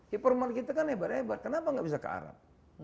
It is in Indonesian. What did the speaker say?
hipermarket kan hebat hebat kenapa enggak bisa ke arab